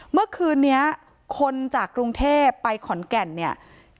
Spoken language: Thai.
เมื่อคืนนี้คนจากกรุงเทพไปขอนแก่นเนี่ย